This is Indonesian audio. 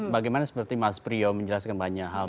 bagaimana seperti mas priyo menjelaskan banyak hal